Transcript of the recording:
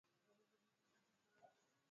Vipele vya tetekuwanga